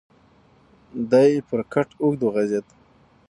دی پر کټ اوږد وغځېد.